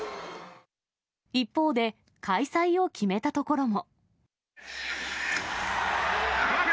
一方で、開催を決めたところも。